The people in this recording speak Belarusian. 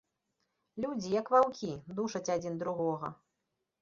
Людзі, як ваўкі, душаць адзін другога.